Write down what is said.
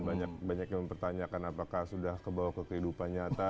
banyak yang mempertanyakan apakah sudah membawa ke kehidupan nyata